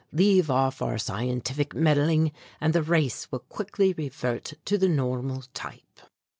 Leave off our scientific meddling and the race will quickly revert to the normal type.